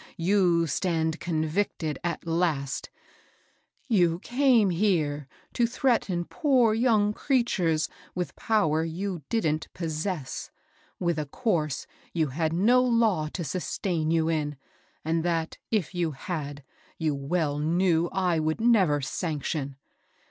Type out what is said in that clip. You stand convicted at last You came here to threaten poor young creatures with power you didn't possess, — with a course you had no law to sustain you in, and that, if you had, you well knew I would never sanction.